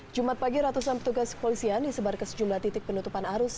jumat pagi ratusan petugas kepolisian disebar ke sejumlah titik penutupan arus